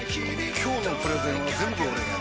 今日のプレゼンは全部俺がやる！